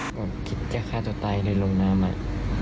ผมคิดจะฆ่าตัวตายในโรงน้ำ